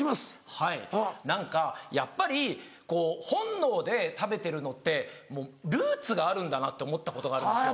はい何かやっぱりこう本能で食べてるのってもうルーツがあるんだなって思ったことがあるんですよ。